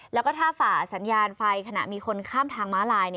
แล้วก็ถ้าฝ่าสัญญาณไฟขณะมีคนข้ามทางม้าลาย